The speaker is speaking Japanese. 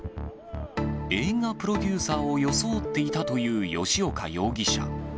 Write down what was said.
映画プロデューサーを装っていたという吉岡容疑者。